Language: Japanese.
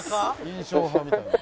「印象派みたいな」